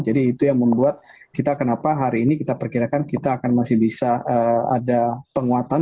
jadi itu yang membuat kita kenapa hari ini kita perkirakan kita akan masih bisa ada penguatan